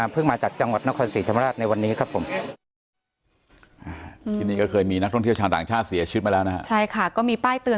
มาจากจังหวัดนครศรีธรรมราชในวันนี้ครับผม